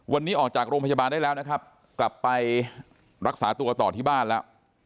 วันนี้ออกจากโรงพยาบาลได้แล้วนะครับกลับไปรักษาตัวต่อที่บ้านแล้ว